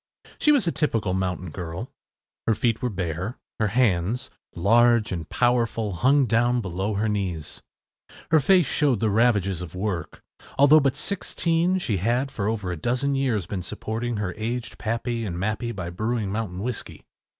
She was a typical mountain girl. Her feet were bare. Her hands, large and powerful, hung down below her knees. Her face showed the ravages of work. Although but sixteen, she had for over a dozen years been supporting her aged pappy and mappy by brewing mountain whiskey.